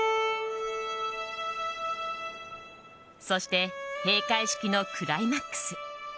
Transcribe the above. そして閉会式のクライマックス。